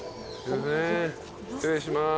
失礼します。